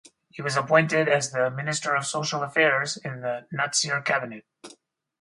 He was appointed as the Minister of Social Affairs in the Natsir Cabinet.